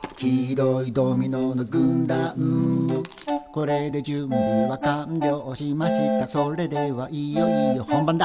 「これで準備は完了しましたそれではいよいよ本番だ」